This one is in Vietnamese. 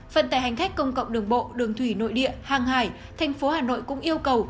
phần tại hành khách công cộng đường bộ đường thủy nội địa hàng hải tp hà nội cũng yêu cầu